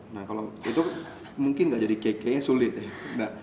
nah kalau itu mungkin gak jadi cake cake sulit ya